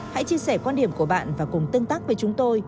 hãy chia sẻ quan điểm của bạn và cùng tương tác với chúng tôi